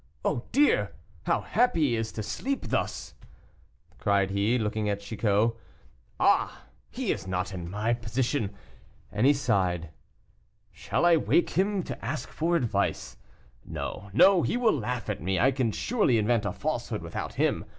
Oh, dear! How happy he is to sleep thus!" cried he, looking at Chicot. "Ah! he is not in my position," and he sighed. "Shall I wake him to ask for advice? No, no, he will laugh at me; I can surely invent a falsehood without him.